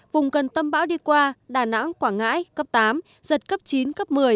vùng gần tâm bão đi qua đà nẵng quảng ngãi cấp tám giật cấp chín cấp một mươi